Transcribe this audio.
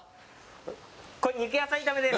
これ肉野菜炒めです